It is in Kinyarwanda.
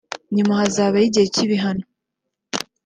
nyuma hakazabaho igihe cy’ibihano